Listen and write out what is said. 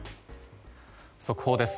速報です。